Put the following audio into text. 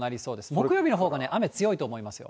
木曜日のほうが雨強いと思いますよ。